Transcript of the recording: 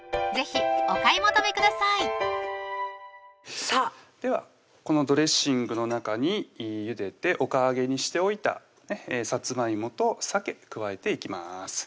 是非お買い求めくださいさぁではこのドレッシングの中にゆでておかあげにしておいたさつまいもとさけ加えていきます